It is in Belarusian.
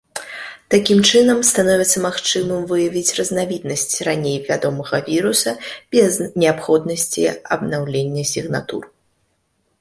Такім чынам становіцца магчымым выявіць разнавіднасць раней вядомага віруса без неабходнасці абнаўлення сігнатур.